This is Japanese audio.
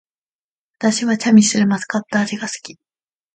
私はチャミスルマスカット味が好き